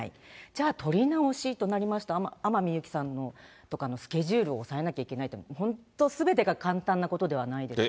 じゃあ、撮り直しとなると、天海祐希さんとかのスケジュールを押さえなきゃいけない、本当すべてが簡単なことではないですね。